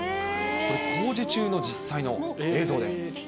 これ、工事中の実際の映像です。